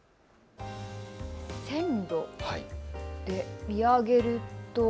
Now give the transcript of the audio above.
線路で見上げると。